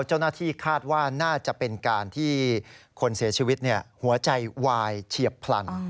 เจ้าหน้าที่คาดว่าน่าจะเป็นการที่คนเสียชีวิตหัวใจวายเฉียบพลัน